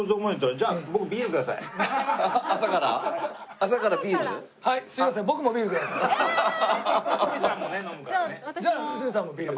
じゃあ鷲見さんもビール。